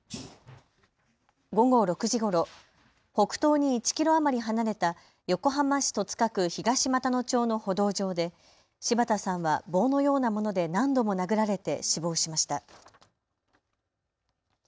午後６時ごろ、北東に１キロ余り離れた横浜市戸塚区東俣野町の歩道上で柴田さんは棒のようなもので何度も殴られて死亡しました。